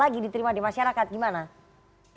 kita harus melakukan